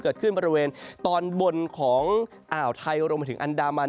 เกิดขึ้นบริเวณตอนบนของอ่าวไทยรวมไปถึงอันดามัน